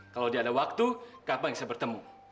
kalau dia ada waktu kapan bisa bertemu